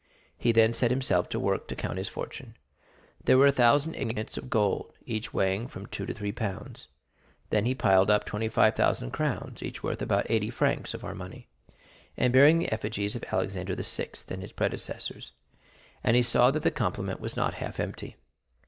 He then set himself to work to count his fortune. There were a thousand ingots of gold, each weighing from two to three pounds; then he piled up twenty five thousand crowns, each worth about eighty francs of our money, and bearing the effigies of Alexander VI. and his predecessors; and he saw that the complement was not half empty.